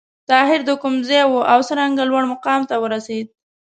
طاهر د کوم ځای و او څرنګه لوړ مقام ته ورسېد؟